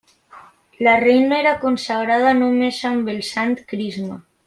La reina era consagrada només amb el sant crisma.